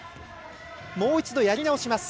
もう一度、やり直します。